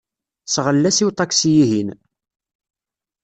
Sɣel-as i uṭaksi-ihin.